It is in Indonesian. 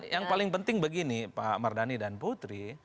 yang paling penting begini pak mardhani dan putri